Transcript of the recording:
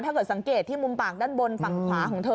สังเกตที่มุมปากด้านบนฝั่งขวาของเธอ